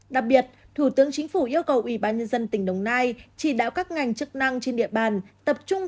đặc biệt thủ tướng chính phủ yêu cầu ủy ban nhân dân tỉnh đồng nai chỉ đạo các ngành chức năng trên địa bàn tập trung